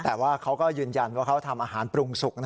แต่ว่าเขาก็ยืนยันว่าเขาทำอาหารปรุงสุก